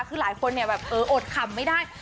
คือหลายคนเนี่ยแบบเอออดขำไม่ได้